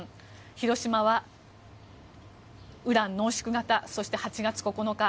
広島はウラン濃縮型そして８月９日